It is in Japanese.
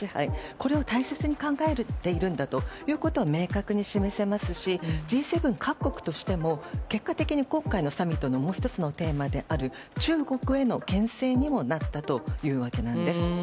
これを大切に考えているんだということが明確に示せますしＧ７各国としても結果的に今回のサミットのもう１つのテーマである中国への牽制にもなったというわけなんです。